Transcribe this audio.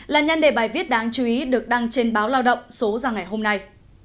là nhân đề bài viết đáng chú ý được đăng trên báo lao động số ra ngày hôm nay